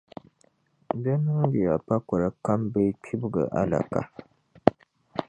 Di niŋdiya pakoli kam bee kpibiga alaka.